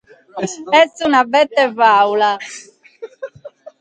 Est una bete fàula!